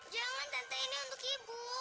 jangan tenteng ini untuk ibu